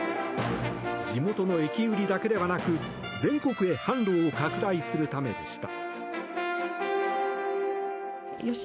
地元の駅売りだけではなく全国へ販路を拡大するためでした。